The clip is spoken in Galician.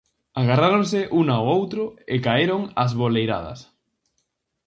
Agarráronse un ao outro e caeron ás boleiradas.